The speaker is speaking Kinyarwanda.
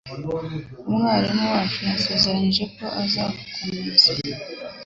Umwarimu wacu yasezeranije ko azakomeza